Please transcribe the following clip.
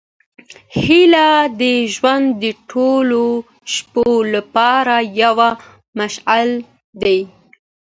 هیله د ژوند د تورو شپو لپاره یو مشعل دی.